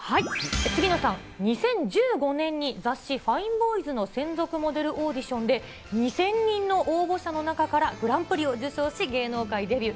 杉野さん、２０１５年に雑誌、ＦＩＮＥＢＯＹＳの専属モデルオーディションで、２０００人の応募者の中からグランプリを受賞し、芸能界デビュー。